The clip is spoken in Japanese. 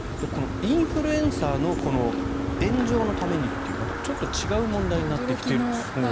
インフルエンサーの炎上のためにというちょっと違う問題になってきてますね。